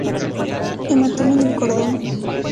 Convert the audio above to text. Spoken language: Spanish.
Hematoma en el cordón.